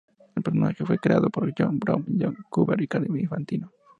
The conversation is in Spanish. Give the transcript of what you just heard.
El personaje fue creado por John Broome, Joe Kubert y Carmine Infantino.